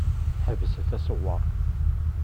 Ḥebset aṣewwer!